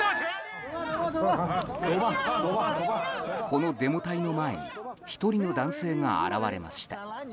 このデモ隊の前に１人の男性が現れました。